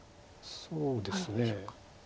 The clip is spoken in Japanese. そうですね。